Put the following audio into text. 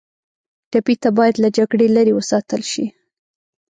ټپي ته باید له جګړې لرې وساتل شي.